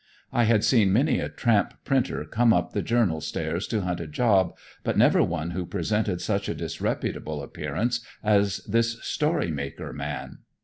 I had seen many a tramp printer come up the Journal stairs to hunt a job, but never one who presented such a disreputable appearance as this story maker man.